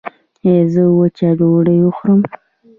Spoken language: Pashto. ایا زه وچه ډوډۍ وخورم؟